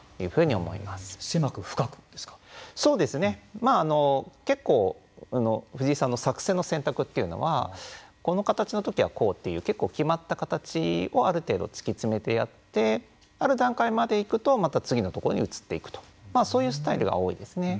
まあ、結構、藤井さんの作戦の選択というのはこの形のときはこうという結構決まった形をある程度突き詰めてやってある段階まで行くとまた次のところに移っていくとそういうスタイルが多いですね。